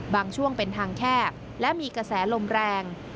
ช่วงเป็นทางแคบและมีกระแสลมแรง